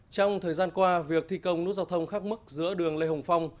trong thời gian qua việc thi công nút giao thông khắc mức giữa đường lê hồng phong